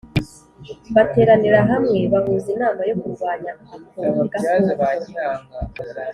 bateranira hamwe bahuza inama yo kurwanya ako gakoko